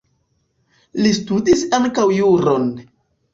Li studis ankaŭ juron.